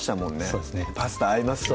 そうですねパスタ合いますね